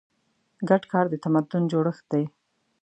ګډ کار د تمدن جوړښت دی.